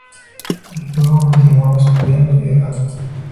Luego continuaba estudiando y orando.